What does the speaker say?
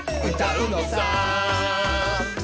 「うたうのさ」